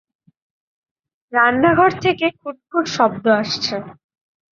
রান্নাঘর থেকে খুটখুট শব্দ আসছে।